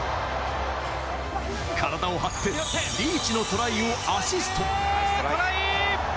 体を張ってリーチのトライをアシスト。